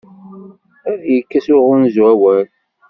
Ad yekkes uɣunzu awal.